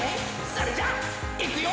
それじゃいくよ」